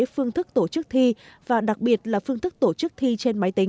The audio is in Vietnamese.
phương thức tổ chức thi và đặc biệt là phương thức tổ chức thi trên máy tính